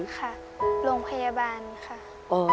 ค่ะโรงพยาบาลค่ะ